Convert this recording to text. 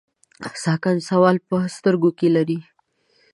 ساکن سوال په سترګو کې لري.